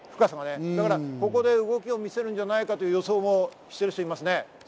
ここで動きを見せるんじゃないかという予想をしている人もいますね。